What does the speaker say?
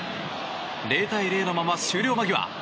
０対０のまま終了間際。